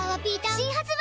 新発売